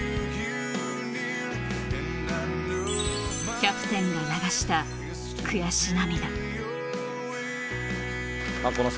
キャプテンが流した悔し涙。